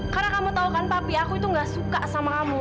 karena kamu tahu kan papi aku itu gak suka sama kamu